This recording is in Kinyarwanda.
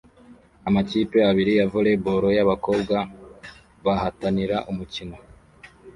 Amakipe abiri ya volley ball y'abakobwa bahatanira umukino